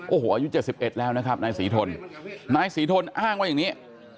โอ้โหอายุ๗๑แล้วนะครับนายศรีทนนายศรีทนอ้างว่าอย่างนี้